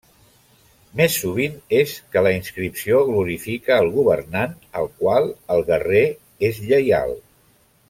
Més sovint és que la inscripció glorifica al governant al qual el guerrer és lleial.